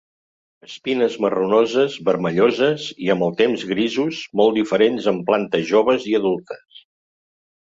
Espines marronoses, vermelloses i amb el temps grisos, molt diferents en plantes joves i adultes.